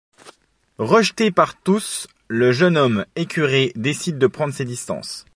Rejeté par tous, le jeune homme, écœuré, décide de prendre ses distances.